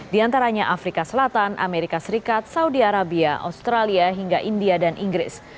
di antaranya afrika selatan amerika serikat saudi arabia australia hingga india dan inggris